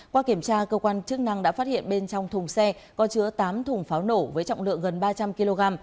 qua kiểm tra cơ quan chức năng đã phát hiện bên trong thùng xe có chứa tám thùng pháo nổ với trọng lượng gần ba trăm linh kg